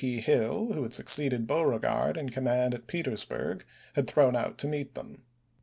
P. Hill, who had succeeded Beauregard in command at Petersburg, had thrown out to meet them.